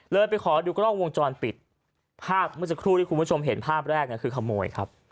ไปขอดูกล้องวงจรปิดภาพเมื่อสักครู่ที่คุณผู้ชมเห็นภาพแรกคือขโมยครับ